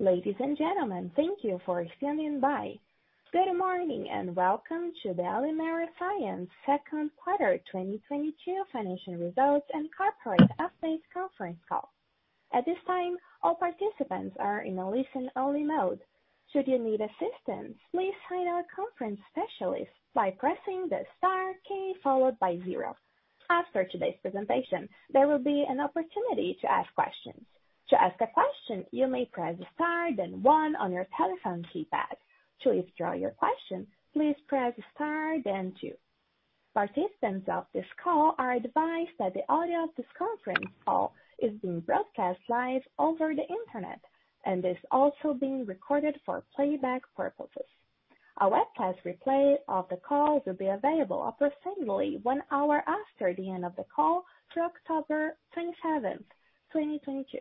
Ladies and gentlemen, thank you for standing by. Good morning, and welcome to the Alimera Sciences Q2 2022 financial results and corporate update conference call. At this time, all participants are in a listen-only mode. Should you need assistance, please hail a conference specialist by pressing the star key followed by zero. After today's presentation, there will be an opportunity to ask questions. To ask a question, you may press star then one on your telephone keypad. To withdraw your question, please press star then two. Participants of this call are advised that the audio of this conference call is being broadcast live over the Internet and is also being recorded for playback purposes. A webcast replay of the call will be available approximately one hour after the end of the call through October 27th, 2022.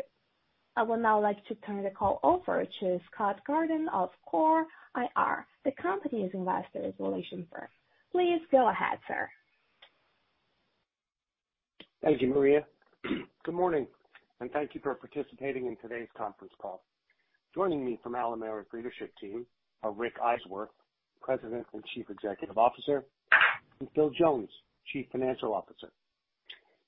I would now like to turn the call over to Scott Gordon of CORE IR. The company's investor relations firm. Please go ahead, sir. Thank you, Maria. Good morning and thank you for participating in today's conference call. Joining me from Alimera's leadership team are Rick Eiswirth, President and Chief Executive Officer, and Phil Jones, Chief Financial Officer.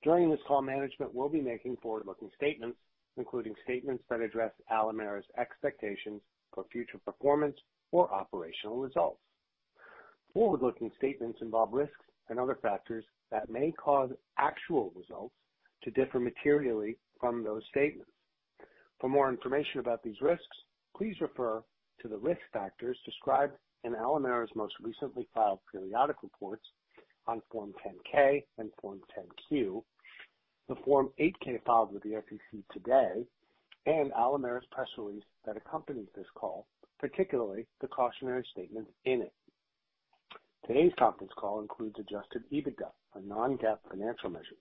During this call, management will be making forward-looking statements, including statements that address Alimera's expectations for future performance or operational results. Forward-looking statements involve risks and other factors that may cause actual results to differ materially from those statements. For more information about these risks, please refer to the risk factors described in Alimera's most recently filed periodic reports on Form 10-K and Form 10-Q, the Form 8-K filed with the SEC today, and Alimera's press release that accompanies this call, particularly the cautionary statements in it. Today's conference call includes adjusted EBITDA, a non-GAAP financial measure.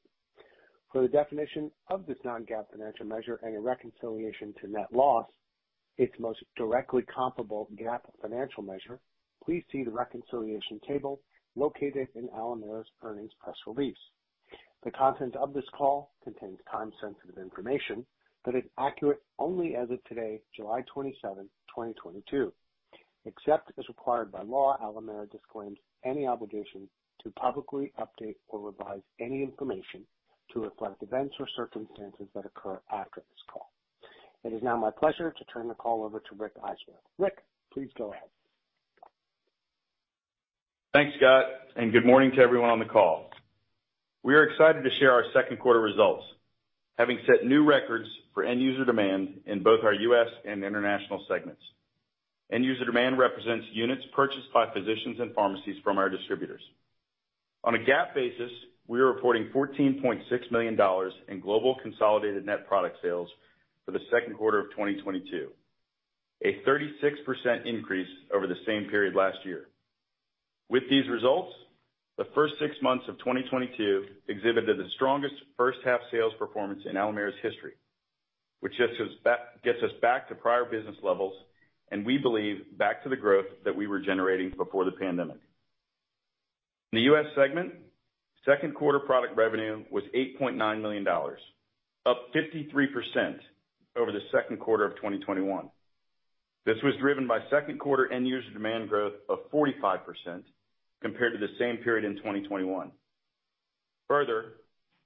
For the definition of this non-GAAP financial measure and a reconciliation to net loss, its most directly comparable GAAP financial measure, please see the reconciliation table located in Alimera's earnings press release. The content of this call contains time-sensitive information that is accurate only as of today, July 27, 2022. Except as required by law, Alimera disclaims any obligation to publicly update or revise any information to reflect events or circumstances that occur after this call. It is now my pleasure to turn the call over to Rick Eiswirth. Rick, please go ahead. Thanks, Scott, and good morning to everyone on the call. We are excited to share our second quarter results, having set new records for end user demand in both our U.S. and international segments. End user demand represents units purchased by physicians and pharmacies from our distributors. On a GAAP basis, we are reporting $14.6 million in global consolidated net product sales for the second quarter of 2022, a 36% increase over the same period last year. With these results, the first six months of 2022 exhibited the strongest first half sales performance in Alimera's history, which gets us back to prior business levels, and we believe back to the growth that we were generating before the pandemic. In the U.S. segment, second quarter product revenue was $8.9 million, up 53% over the second quarter of 2021. This was driven by second quarter end user demand growth of 45% compared to the same period in 2021. Further,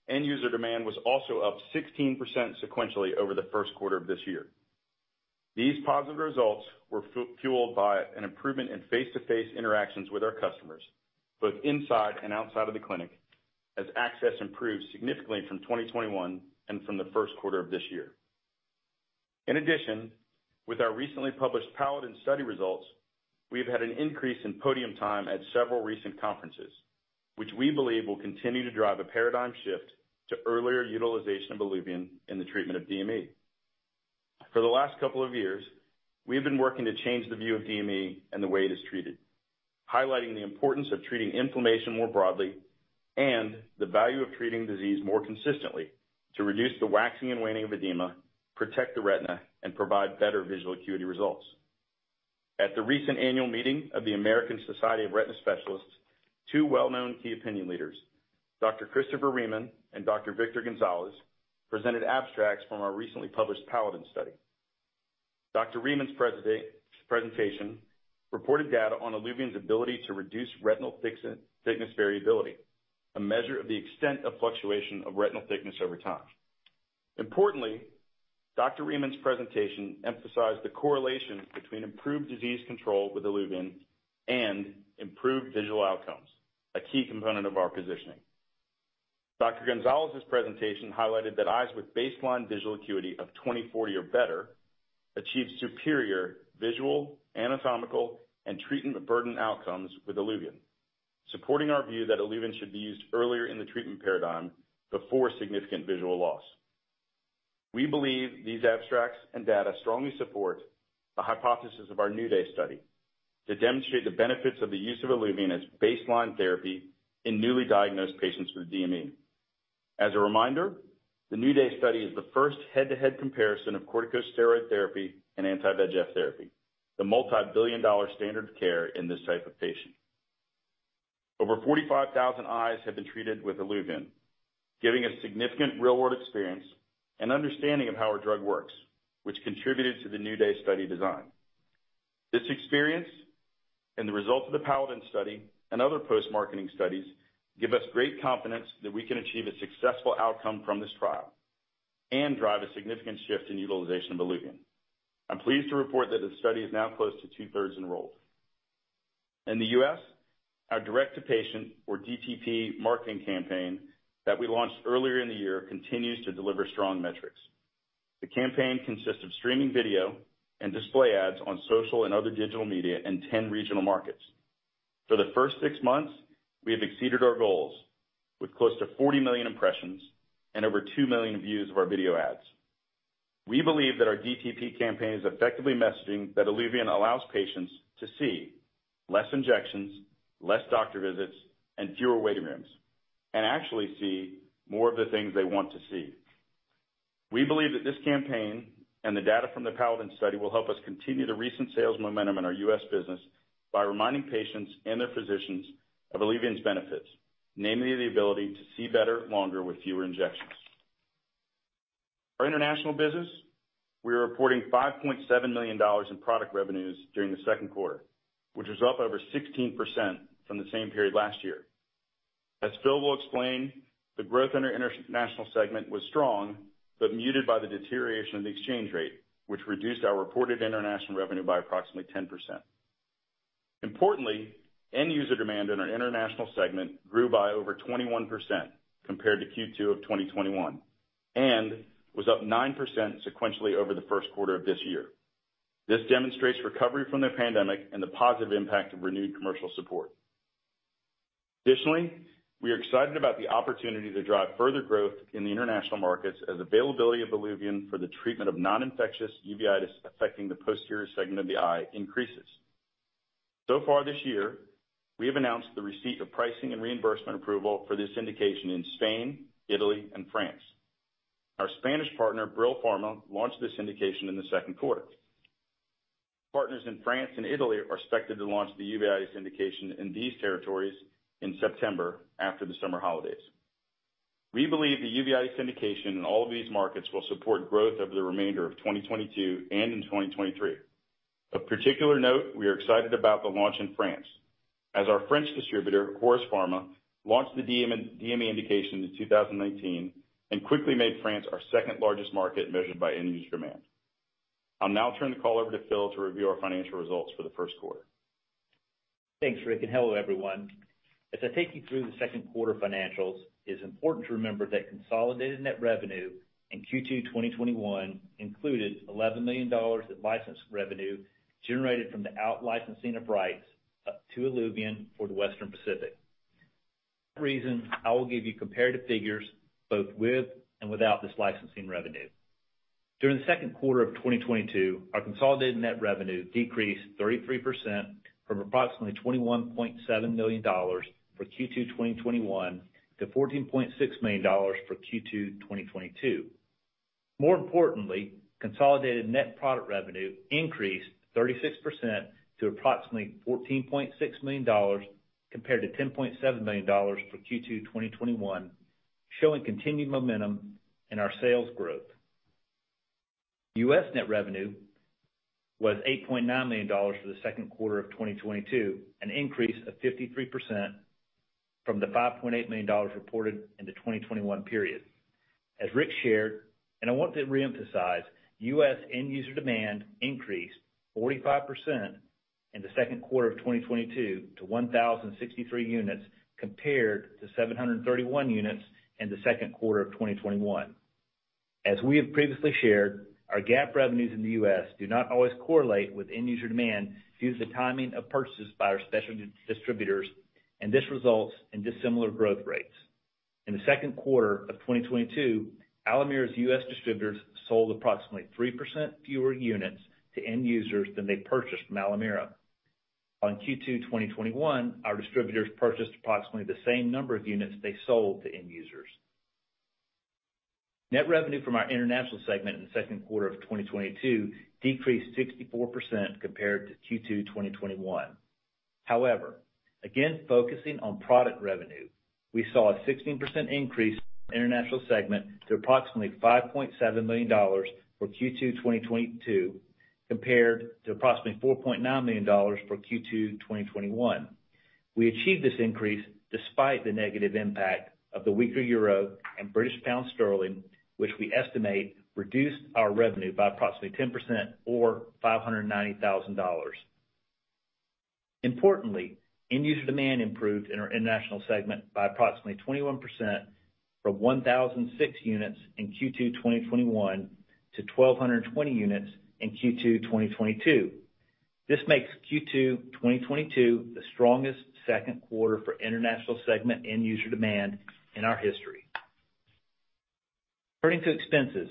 end user demand was also up 16% sequentially over the first quarter of this year. These positive results were fueled by an improvement in face-to-face interactions with our customers, both inside and outside of the clinic, as access improved significantly from 2021 and from the first quarter of this year. In addition, with our recently published PALADIN study results, we have had an increase in podium time at several recent conferences, which we believe will continue to drive a paradigm shift to earlier utilization of ILUVIEN in the treatment of DME. For the last couple of years, we have been working to change the view of DME and the way it is treated, highlighting the importance of treating inflammation more broadly and the value of treating disease more consistently to reduce the waxing and waning of edema, protect the retina, and provide better visual acuity results. At the recent annual meeting of the American Society of Retina Specialists, two well-known key opinion leaders, Dr. Christopher Riemann and Dr. Victor Gonzalez, presented abstracts from our recently published PALADIN study. Dr. Riemann's presentation reported data on ILUVIEN's ability to reduce retinal thickness variability, a measure of the extent of fluctuation of retinal thickness over time. Importantly, Dr. Riemann's presentation emphasized the correlation between improved disease control with ILUVIEN and improved visual outcomes, a key component of our positioning. Dr. Gonzalez's presentation highlighted that eyes with baseline visual acuity of 20/40 or better achieved superior visual, anatomical, and treatment burden outcomes with ILUVIEN, supporting our view that ILUVIEN should be used earlier in the treatment paradigm before significant visual loss. We believe these abstracts and data strongly support the hypothesis of our NEWDAY study to demonstrate the benefits of the use of ILUVIEN as baseline therapy in newly diagnosed patients with DME. As a reminder, the NEWDAY study is the first head-to-head comparison of corticosteroid therapy and anti-VEGF therapy, the multi-billion-dollar standard of care in this type of patient. Over 45,000 eyes have been treated with ILUVIEN, giving us significant real-world experience and understanding of how our drug works, which contributed to the NEWDAY study design. This experience and the results of the PALADIN study and other post-marketing studies give us great confidence that we can achieve a successful outcome from this trial and drive a significant shift in utilization of ILUVIEN. I'm pleased to report that the study is now close to two-thirds enrolled. In the U.S., our direct-to-patient, or DTP, marketing campaign that we launched earlier in the year continues to deliver strong metrics. The campaign consists of streaming video and display ads on social and other digital media in 10 regional markets. For the first six months, we have exceeded our goals with close to 40 million impressions and over 2 million views of our video ads. We believe that our DTP campaign is effectively messaging that ILUVIEN allows patients to see less injections, less doctor visits, and fewer waiting rooms, and actually see more of the things they want to see. We believe that this campaign and the data from the PALADIN study will help us continue the recent sales momentum in our U.S. business by reminding patients and their physicians of ILUVIEN's benefits, namely the ability to see better, longer with fewer injections. Our international business, we are reporting $5.7 million in product revenues during the second quarter, which was up over 16% from the same period last year. As Phil will explain, the growth in our international segment was strong, but muted by the deterioration of the exchange rate, which reduced our reported international revenue by approximately 10%. Importantly, end user demand in our international segment grew by over 21% compared to Q2 of 2021, and was up 9% sequentially over the first quarter of this year. This demonstrates recovery from the pandemic and the positive impact of renewed commercial support. Additionally, we are excited about the opportunity to drive further growth in the international markets as availability of ILUVIEN for the treatment of non-infectious uveitis affecting the posterior segment of the eye increases. So far this year, we have announced the receipt of pricing and reimbursement approval for this indication in Spain, Italy, and France. Our Spanish partner, Brill Pharma, launched this indication in the second quarter. Partners in France and Italy are expected to launch the uveitis indication in these territories in September after the summer holidays. We believe the uveitis indication in all of these markets will support growth over the remainder of 2022 and in 2023. Of particular note, we are excited about the launch in France as our French distributor, Horus Pharma, launched the DME indication in 2019 and quickly made France our second-largest market measured by end user demand. I'll now turn the call over to Phil to review our financial results for the first quarter. Thanks, Rick, and hello, everyone. As I take you through the second quarter financials, it is important to remember that consolidated net revenue in Q2 2021 included $11 million in license revenue generated from the out-licensing of rights up to ILUVIEN for the Western Pacific. For that reason, I will give you comparative figures both with and without this licensing revenue. During the second quarter of 2022, our consolidated net revenue decreased 33% from approximately $21.7 million for Q2 2021 to $14.6 million for Q2 2022. More importantly, consolidated net product revenue increased 36% to approximately $14.6 million compared to $10.7 million for Q2 2021, showing continued momentum in our sales growth. U.S. net revenue was $8.9 million for the second quarter of 2022, an increase of 53% from the $5.8 million reported in the 2021 period. As Rick shared, I want to reemphasize, U.S. end user demand increased 45% in the second quarter of 2022 to 1,063 units, compared to 731 units in the second quarter of 2021. As we have previously shared, our GAAP revenues in the U.S. do not always correlate with end user demand due to the timing of purchases by our specialty distributors, and this results in dissimilar growth rates. In the second quarter of 2022, Alimera's U.S. distributors sold approximately 3% fewer units to end users than they purchased from Alimera. While in Q2 2021, our distributors purchased approximately the same number of units they sold to end users. Net revenue from our international segment in the second quarter of 2022 decreased 64% compared to Q2 2021. However, again focusing on product revenue, we saw a 16% increase in international segment to approximately $5.7 million for Q2 2022, compared to approximately $4.9 million for Q2 2021. We achieved this increase despite the negative impact of the weaker euro and British pound sterling, which we estimate reduced our revenue by approximately 10% or $590,000. Importantly, end user demand improved in our international segment by approximately 21% from 1,006 units in Q2 2021 to 1,220 units in Q2 2022. This makes Q2 2022 the strongest second quarter for international segment end user demand in our history. Turning to expenses.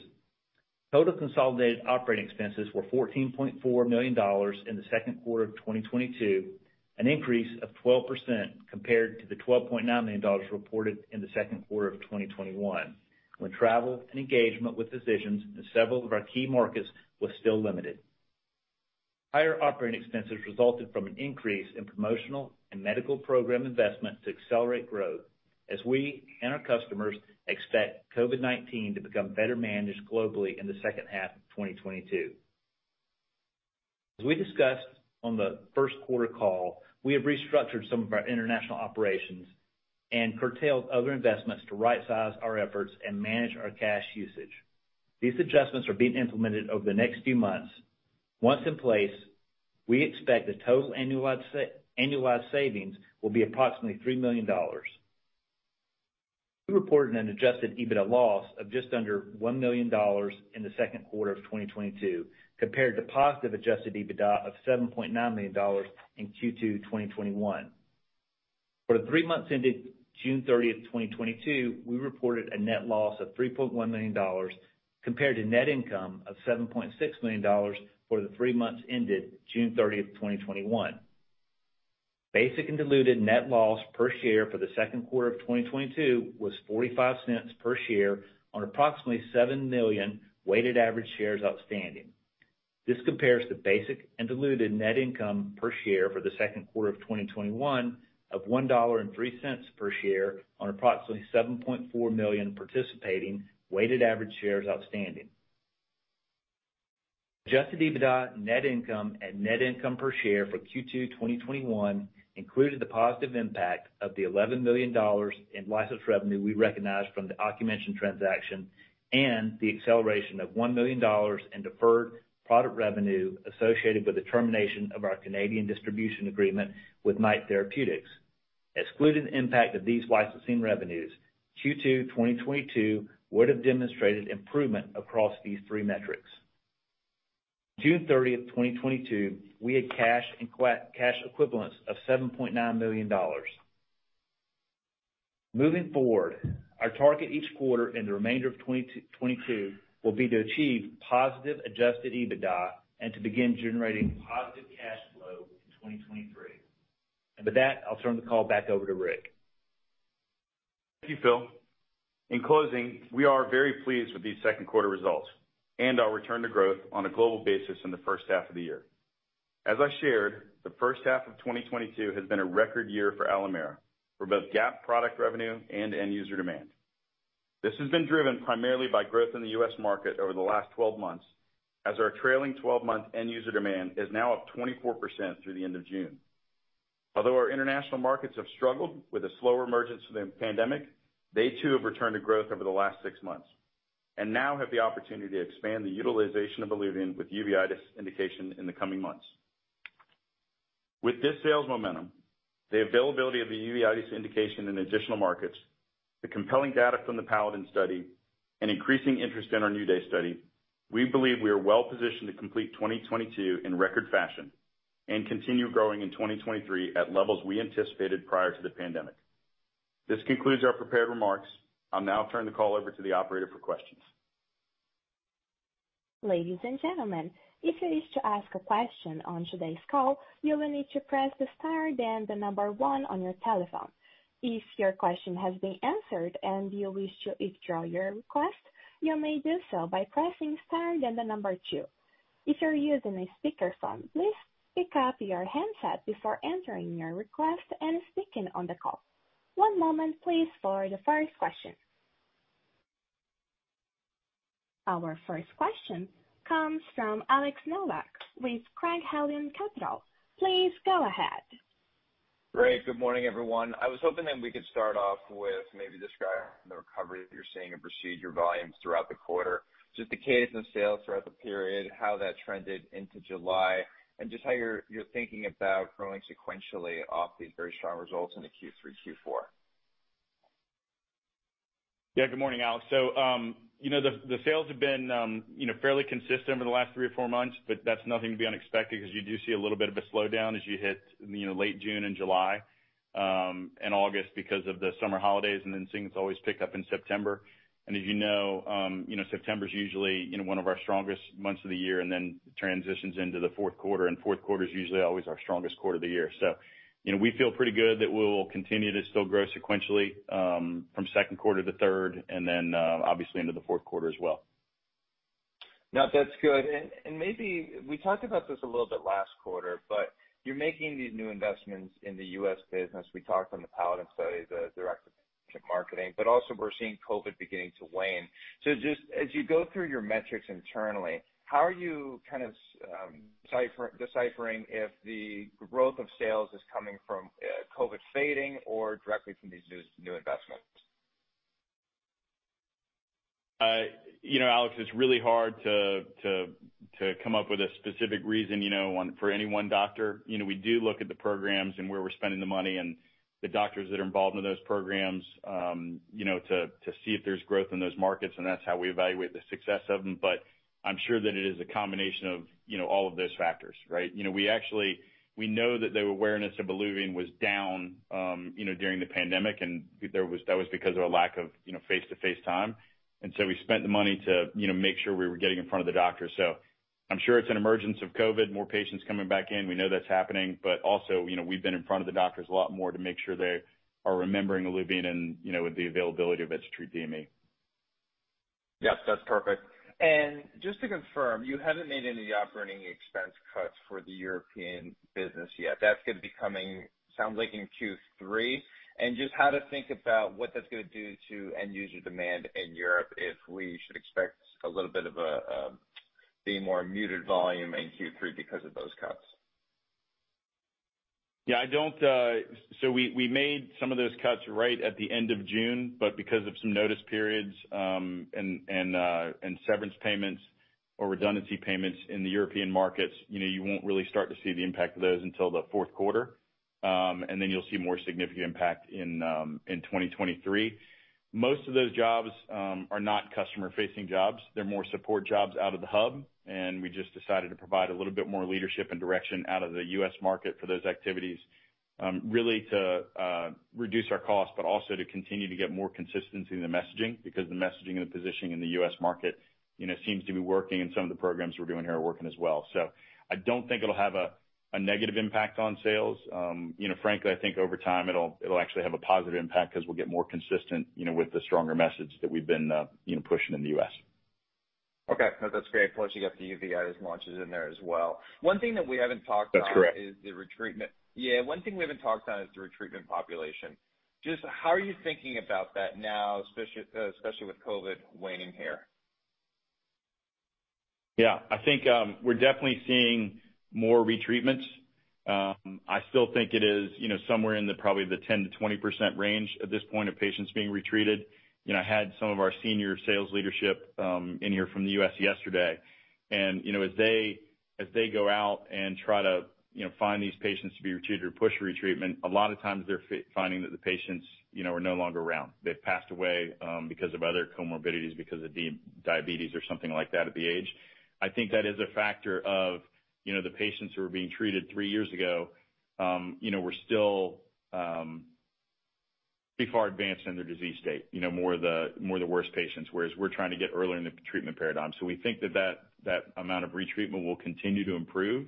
Total consolidated operating expenses were $14.4 million in the second quarter of 2022, an increase of 12% compared to the $12.9 million reported in the second quarter of 2021, when travel and engagement with physicians in several of our key markets was still limited. Higher operating expenses resulted from an increase in promotional and medical program investment to accelerate growth as we and our customers expect COVID-19 to become better managed globally in the second half of 2022. As we discussed on the first quarter call, we have restructured some of our international operations and curtailed other investments to right-size our efforts and manage our cash usage. These adjustments are being implemented over the next few months. Once in place, we expect the total annualized savings will be approximately $3 million. We reported an adjusted EBITDA loss of just under $1 million in the second quarter of 2022 compared to positive adjusted EBITDA of $7.9 million in Q2 2021. For the three months ended June 30, 2022, we reported a net loss of $3.1 million compared to net income of $7.6 million for the three months ended June 30, 2021. Basic and diluted net loss per share for the second quarter of 2022 was $0.45 per share on approximately 7 million weighted average shares outstanding. This compares to basic and diluted net income per share for the second quarter of 2021 of $1.03 per share on approximately 7.4 million participating weighted average shares outstanding. Adjusted EBITDA, net income and net income per share for Q2 2021 included the positive impact of the $11 million in license revenue we recognized from the Ocumension transaction and the acceleration of $1 million in deferred product revenue associated with the termination of our Canadian distribution agreement with Knight Therapeutics. Excluding the impact of these licensing revenues, Q2 2022 would have demonstrated improvement across these three metrics. June 30, 2022, we had cash and cash equivalents of $7.9 million. Moving forward, our target each quarter in the remainder of 2022 will be to achieve positive adjusted EBITDA and to begin generating positive cash flow in 2023. With that, I'll turn the call back over to Rick. Thank you, Phil. In closing, we are very pleased with these second quarter results and our return to growth on a global basis in the first half of the year. As I shared, the first half of 2022 has been a record year for Alimera for both GAAP product revenue and end user demand. This has been driven primarily by growth in the U.S. market over the last 12 months as our trailing 12-month end user demand is now up 24% through the end of June. Although our international markets have struggled with a slower emergence from the pandemic, they too have returned to growth over the last 6 months and now have the opportunity to expand the utilization of ILUVIEN with uveitis indication in the coming months. With this sales momentum, the availability of the uveitis indication in additional markets, the compelling data from the PALADIN study, and increasing interest in our NEWDAY study, we believe we are well positioned to complete 2022 in record fashion and continue growing in 2023 at levels we anticipated prior to the pandemic. This concludes our prepared remarks. I'll now turn the call over to the operator for questions. Ladies and gentlemen, if you wish to ask a question on today's call, you will need to press star then 1 on your telephone. If your question has been answered and you wish to withdraw your request, you may do so by pressing star then two. If you're using a speakerphone, please pick up your handset before entering your request and speaking on the call. One moment please for the first question. Our first question comes from Alex Nowak with Craig-Hallum Capital Group. Please go ahead. Great. Good morning, everyone. I was hoping that we could start off with maybe describing the recovery that you're seeing in procedure volumes throughout the quarter, just the cadence of sales throughout the period, how that trended into July, and just how you're thinking about growing sequentially off these very strong results into Q3, Q4. Yeah. Good morning, Alex. You know, the sales have been you know, fairly consistent over the last three or four months, but that's nothing to be unexpected 'cause you do see a little bit of a slowdown as you hit you know, late June and July and August because of the summer holidays, and then things always pick up in September. As you know you know, September's usually you know, one of our strongest months of the year, and then transitions into the fourth quarter, and fourth quarter's usually always our strongest quarter of the year. You know, we feel pretty good that we'll continue to still grow sequentially from second quarter to third, and then obviously into the fourth quarter as well. No, that's good. Maybe we talked about this a little bit last quarter, but you're making these new investments in the U.S. business. We talked on the PALADIN study, the direct-to-patient marketing, but also we're seeing COVID beginning to wane. Just as you go through your metrics internally, how are you kind of deciphering if the growth of sales is coming from COVID fading or directly from these new investments? You know, Alex, it's really hard to come up with a specific reason, you know, for any one doctor. You know, we do look at the programs and where we're spending the money and the doctors that are involved in those programs, you know, to see if there's growth in those markets, and that's how we evaluate the success of them. I'm sure that it is a combination of, you know, all of those factors, right? You know, we actually know that the awareness of ILUVIEN was down, you know, during the pandemic and that was because of a lack of, you know, face-to-face time. We spent the money to, you know, make sure we were getting in front of the doctors. I'm sure it's emerging from COVID, more patients coming back in. We know that's happening, but also, you know, we've been in front of the doctors a lot more to make sure they are remembering ILUVIEN and, you know, with the availability of its treatment. Yes, that's perfect. Just to confirm, you haven't made any operating expense cuts for the European business yet. That's gonna be coming, sounds like, in Q3. Just how to think about what that's gonna do to end user demand in Europe, if we should expect a little bit of a, the more muted volume in Q3 because of those cuts. We made some of those cuts right at the end of June, but because of some notice periods, and severance payments or redundancy payments in the European markets, you know, you won't really start to see the impact of those until the fourth quarter. Then you'll see more significant impact in 2023. Most of those jobs are not customer-facing jobs. They're more support jobs out of the hub, and we just decided to provide a little bit more leadership and direction out of the U.S. market for those activities, really to reduce our costs, but also to continue to get more consistency in the messaging. Because the messaging and the positioning in the US market, you know, seems to be working, and some of the programs we're doing here are working as well. I don't think it'll have a negative impact on sales. You know, frankly, I think over time it'll actually have a positive impact 'cause we'll get more consistent, you know, with the stronger message that we've been, you know, pushing in the U.S. Okay. No, that's great. Plus you got the uveitis launches in there as well. One thing that we haven't talked about. That's correct. This is the retreatment. Yeah, one thing we haven't talked about is the retreatment population. Just how are you thinking about that now, especially with COVID waning here? Yeah. I think we're definitely seeing more retreatments. I still think it is, you know, somewhere in the probably the 10%-20% range at this point of patients being retreated. You know, I had some of our senior sales leadership in here from the U.S. yesterday. As they go out and try to, you know, find these patients to be retreated or push retreatment, a lot of times they're finding that the patients, you know, are no longer around. They've passed away because of other comorbidities, because of diabetes or something like that at the age. I think that is a factor of, you know, the patients who were being treated three years ago, you know, were still pretty far advanced in their disease state, you know, more of the worst patients, whereas we're trying to get earlier in the treatment paradigm. We think that amount of retreatment will continue to improve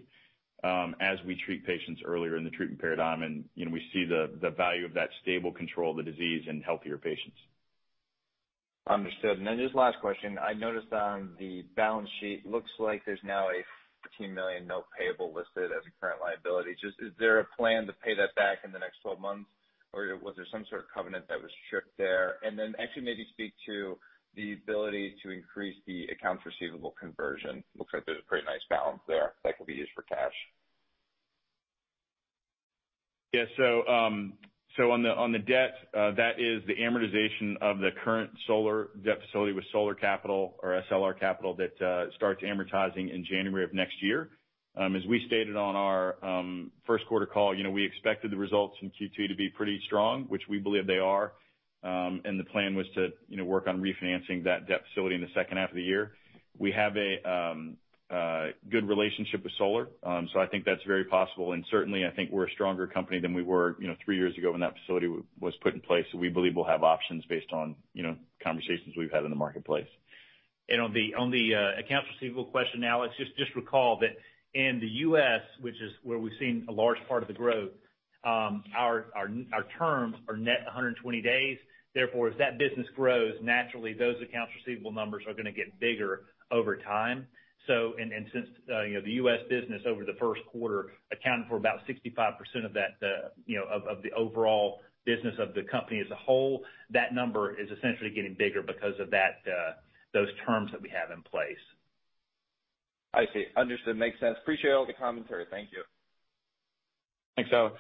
as we treat patients earlier in the treatment paradigm and, you know, we see the value of that stable control of the disease in healthier patients. Understood. Just last question. I noticed on the balance sheet, looks like there's now a $15 million note payable listed as a current liability. Is there a plan to pay that back in the next 12 months, or was there some sort of covenant that was tripped there? Actually maybe speak to the ability to increase the accounts receivable conversion. Looks like there's a pretty nice balance there that could be used for cash. Yeah. On the debt, that is the amortization of the current SLR Capital debt facility with SLR Capital that starts amortizing in January of next year. As we stated on our first quarter call, you know, we expected the results in Q2 to be pretty strong, which we believe they are. The plan was to, you know, work on refinancing that debt facility in the second half of the year. We have a good relationship with SLR Capital, so I think that's very possible and certainly I think we're a stronger company than we were, you know, three years ago when that facility was put in place. We believe we'll have options based on, you know, conversations we've had in the marketplace. On the accounts receivable question, Alex, just recall that in the U.S., which is where we've seen a large part of the growth, our terms are net 120 days. Therefore, as that business grows, naturally those accounts receivable numbers are gonna get bigger over time. Since you know, the U.S. business over the first quarter accounted for about 65% of that, you know, of the overall business of the company as a whole, that number is essentially getting bigger because of that, those terms that we have in place. I see. Understood. Makes sense. Appreciate all the commentary. Thank you. Thanks, Alex.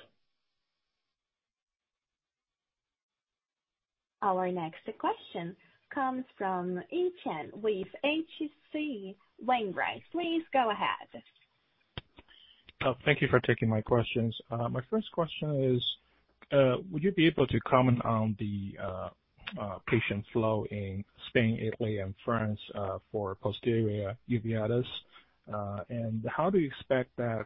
Our next question comes from Yi Chen with H.C. Wainwright. Please go ahead. Oh, thank you for taking my questions. My first question is, would you be able to comment on the patient flow in Spain, Italy, and France for posterior uveitis? How do you expect that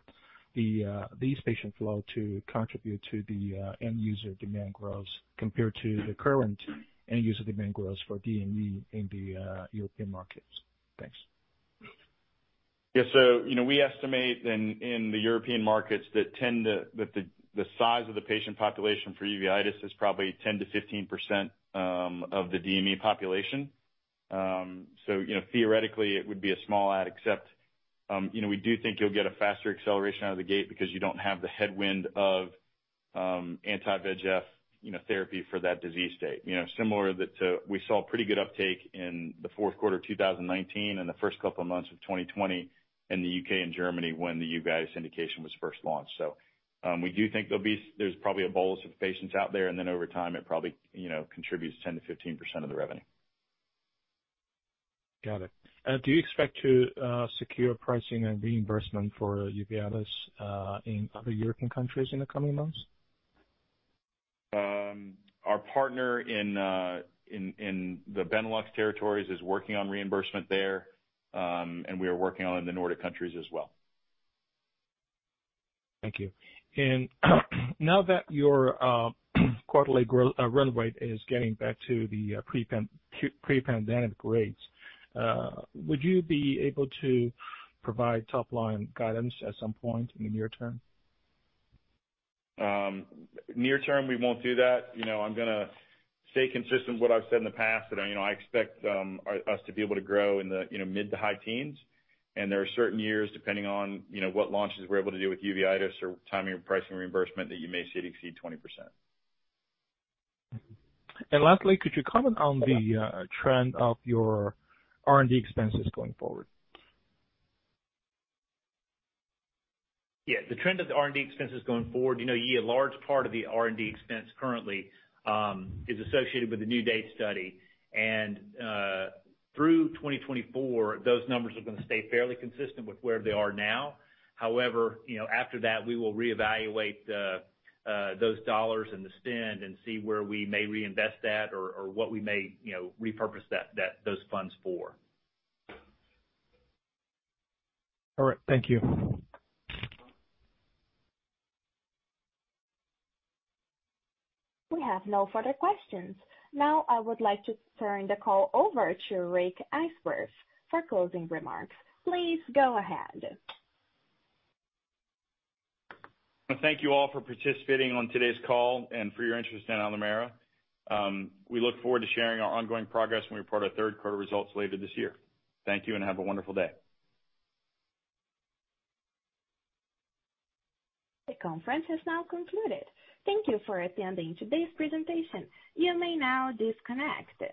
these patient flow to contribute to the end user demand growth compared to the current end user demand growth for DME in the European markets? Thanks. Yeah. We estimate in the European markets that the size of the patient population for uveitis is probably 10%-15% of the DME population. You know, theoretically, it would be a small add, except, you know, we do think you'll get a faster acceleration out of the gate because you don't have the headwind of anti-VEGF therapy for that disease state. You know, similar to that, we saw pretty good uptake in the fourth quarter of 2019 and the first couple of months of 2020 in the UK and Germany when the uveitis indication was first launched. We do think there's probably a bolus of patients out there, and then over time it probably contributes 10%-15% of the revenue. Got it. Do you expect to secure pricing and reimbursement for uveitis in other European countries in the coming months? Our partner in the Benelux territories is working on reimbursement there, and we are working on it in the Nordic countries as well. Thank you. Now that your quarterly growth run rate is getting back to the pre-pandemic rates, would you be able to provide top-line guidance at some point in the near term? Near term, we won't do that. You know, I'm gonna stay consistent with what I've said in the past, that, you know, I expect us to be able to grow in the, you know, mid- to high teens. There are certain years, depending on, you know, what launches we're able to do with uveitis or timing of pricing reimbursement that you may see it exceed 20%. Lastly, could you comment on the trend of your R&D expenses going forward? Yeah. The trend of the R&D expenses going forward, you know, Yi, a large part of the R&D expense currently is associated with the NEWDAY study. Through 2024, those numbers are gonna stay fairly consistent with where they are now. However, you know, after that, we will reevaluate those dollars and the spend and see where we may reinvest that or what we may, you know, repurpose those funds for. All right. Thank you. We have no further questions. Now I would like to turn the call over to Rick Eiswirth for closing remarks. Please go ahead. Thank you all for participating on today's call and for your interest in Alimera. We look forward to sharing our ongoing progress when we report our third quarter results later this year. Thank you, and have a wonderful day. The conference has now concluded. Thank you for attending today's presentation. You may now disconnect.